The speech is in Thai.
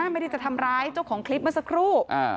ไม่ได้จะทำร้ายเจ้าของคลิปเมื่อสักครู่